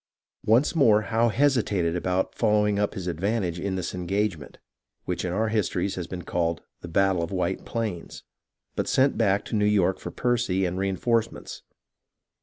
Once more Howe hesitated about following up his advantage in this engagement, which in our histories has been called " the battle of White Plains," but sent back to New York for Percy and reenforcements.